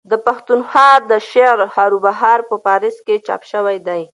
د پښتونخوا دشعرهاروبهار په پاريس کي چاپ سوې ده.